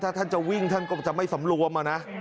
ถ้าท่านจะวิ่งท่านก็จะไม่สำรวมนะ